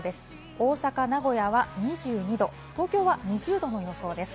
大阪、名古屋は２２度、東京２０度の予想です。